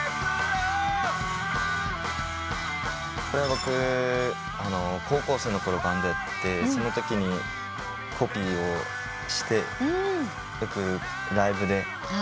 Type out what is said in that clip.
これは僕高校生のころバンドやっててそのときにコピーをしてよくライブで披露してた楽曲で。